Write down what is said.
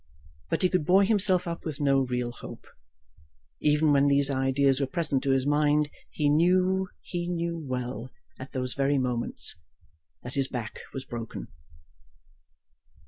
But he could buoy himself up with no real hope. Even when these ideas were present to his mind, he knew, he knew well, at those very moments, that his back was broken.